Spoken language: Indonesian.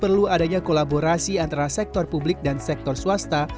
perlu adanya kolaborasi antara sektor publik dan sektor swasta